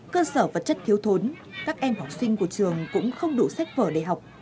cơ sở vật chất thiếu thốn các em học sinh của trường cũng không đủ sách vở để học